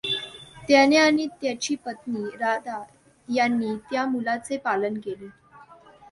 त्याने आणि त्याची पत् नी राधा यांनी त्या मुलाचे पालन केले.